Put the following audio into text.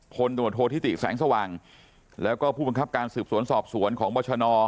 พลตรวจโทษธิติแสงสว่างแล้วก็ผู้บังคับการสืบสวนสอบสวนของบรชน